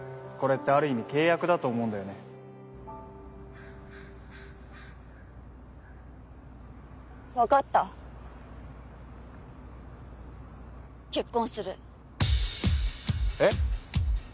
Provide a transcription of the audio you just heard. これってある意味契約だと思うんだよ分かった結婚するえっ？